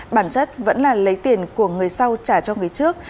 bản chất vẫn là lấy tiền của người sau trả cho người trước